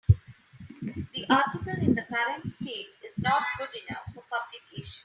The article in the current state is not good enough for publication.